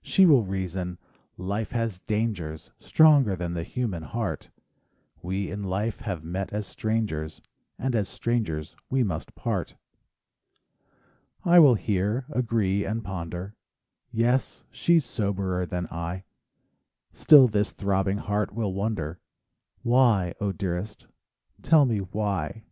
She will reason: "Life has dangers, Stronger than the human heart; We in life have met as strangers, And as strangers we must part." I will hear, agree, and ponder: "Yes, she's soberer than I;" Still this throbbing heart will wonder, "Why, 0 dearest, tell me why ?...